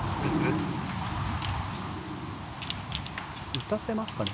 打たせますかね？